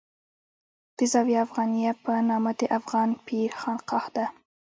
د زاویه افغانیه په نامه د افغان پیر خانقاه ده.